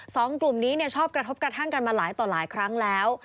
สองกลุ่มนี้ชอบกระทบกระทั่งกันมาหลายต่อหลายครั้งแล้ว